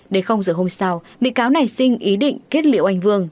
để không giữ hôm sau bị cáo này xin ý định kết liễu anh vương